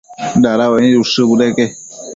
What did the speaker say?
dada uaic nid ushë budeque